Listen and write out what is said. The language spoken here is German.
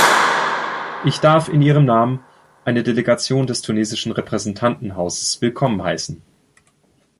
Ich darf in Ihrem Namen eine Delegation des tunesischen Repräsentantenhauses willkommen heißen.